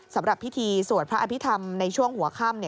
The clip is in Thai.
สำหรับพิธีสวดพระอภิษฐรรมในช่วงหัวค่ำ